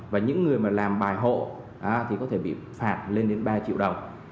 và những người mà làm bài hộ thì có thể bị phạt lên đến ba triệu đồng